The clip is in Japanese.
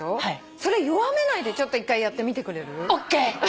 それ弱めないでちょっと一回やってみてくれる？ＯＫ！